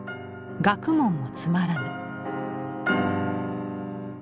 学問もつまらぬ」。